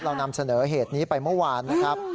เรานำเสนอเหตุนี้ไปเมื่อวานนะครับ